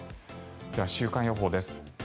では週間予報です。